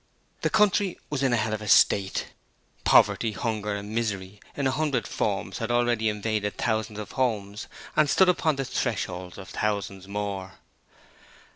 The country was in a hell of a state, poverty, hunger and misery in a hundred forms had already invaded thousands of homes and stood upon the thresholds of thousands more.